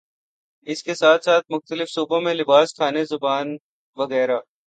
اس کے ساتھ ساتھ مختلف صوبوں میں لباس، کھانے، زبان